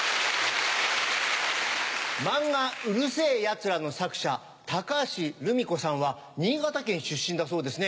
漫画『うる星やつら』の作者高橋留美子さんは新潟県出身だそうですね。